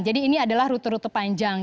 jadi ini adalah rute rute panjang